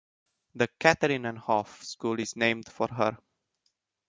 The Katharinenhof school is named for her.